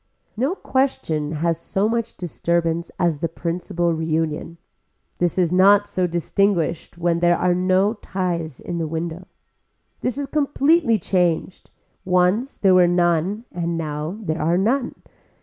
No question has so much disturbance as the principal reunion. This is not so distinguished when there are no ties in the window. This is completely changed, once there were none and now there are none.